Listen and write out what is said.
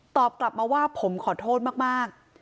ตอบกลับมาว่าผมขอโทษมาก